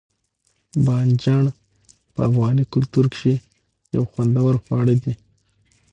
بانجڼ په افغاني کلتور کښي یو خوندور خواړه دي.